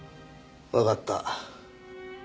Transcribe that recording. わかった。